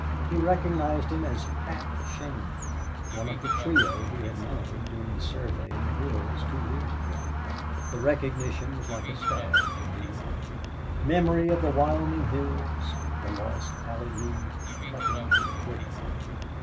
He recognized him as Pat Shane, one of the trio he had known during the survey in the hills two years ago. The recognition was like a stab to Neale. Memory of the Wyoming hills of the lost Allie Lee cut him to the quick.